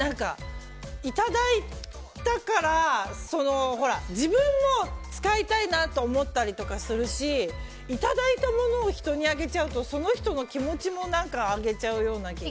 いただいたから自分も使いたいなと思ったりするしいただいたものを人にあげちゃうとその人の気持ちもあげちゃうような気がする。